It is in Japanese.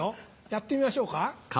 やってみましょうか？